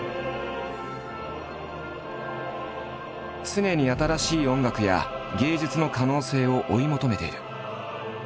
常に新しい音楽や芸術の可能性を追い求めている。